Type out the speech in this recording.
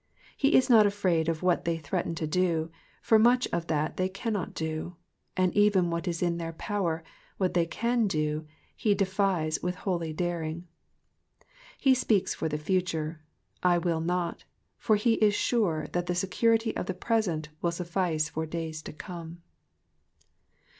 He is not afraid of what they threaten to do, for much of that they cannot do ; and even what is in their power, what they can do^ he defies with holy daring. He spcHks for the future, I will not/^ for he is sure that the security of the present will suffice for days to come.